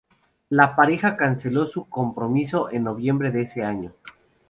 La pareja canceló su compromiso en noviembre de ese año.